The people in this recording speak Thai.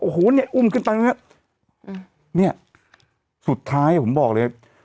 โอ้โหเนี้ยอุ้มขึ้นไปเนี้ยสุดท้ายผมบอกเลย